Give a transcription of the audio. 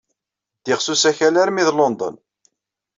Ddiɣ s usakal armi d London.